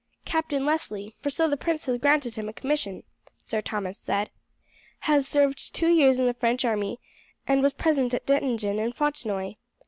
"Captain Leslie, for so the prince has granted him a commission," Sir Thomas said, "has served two years in the French army, and was present at Dettingen and Fontenoy.